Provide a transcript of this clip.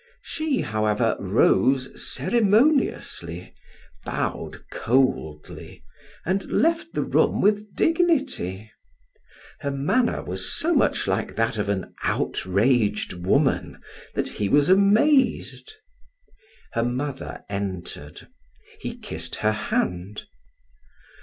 She, however, rose ceremoniously, bowed coldly, and left the room with dignity; her manner was so much like that of an outraged woman that he was amazed. Her mother entered. He kissed her hand.